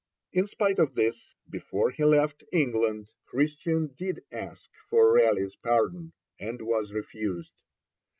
In spite of this, before he left England, Christian did ask for Raleigh's pardon, and was refused.